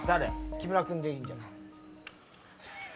木村君でいいんじゃない。